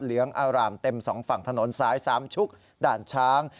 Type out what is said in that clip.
เหลืองอารามเต็มสองฝั่งถนนสายสามชุกด่านช้าง